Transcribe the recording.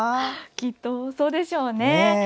きっとそうでしょうね。